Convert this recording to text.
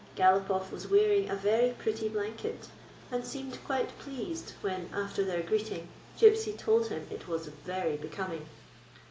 Galopoff was wearing a very pretty blanket, and seemed quite pleased when, after their greeting, Gypsy told him it was very becoming.